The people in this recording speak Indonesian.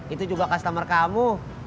itu juga customer kamu